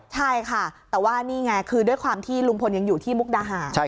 ใช่ค่ะแต่ว่านี่ไงคือด้วยความที่ลุงพลยังอยู่ที่มุกดาหาร